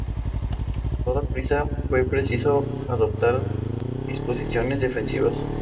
En los orígenes, el navío se llamaba Eva Perón.